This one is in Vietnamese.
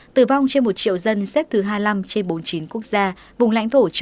tử vong trên một triệu dân xếp thứ hai mươi năm trên bốn mươi chín quốc gia vùng lãnh thổ